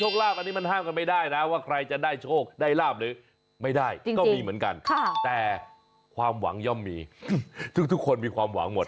ความวางหย่มมีทุกคนมีความวางหมด